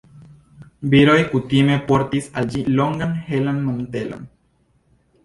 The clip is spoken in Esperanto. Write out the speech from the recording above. Viroj kutime portis al ĝi longan helan mantelon.